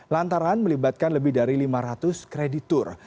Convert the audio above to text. lantaran melibatkan lebih dari lima ratus kreditur